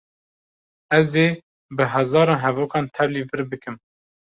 Ez ê bi hezaran hevokan tevlî vir bikim.